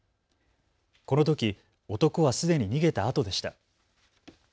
このとき男はすでに逃げたあとでした。